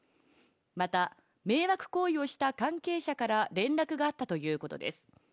また、迷惑行為をした関係者から連絡があったということです。